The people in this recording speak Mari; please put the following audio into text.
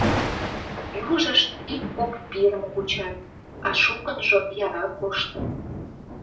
Южышт ик-кок пирым кучат, а шукынжо яра коштыт.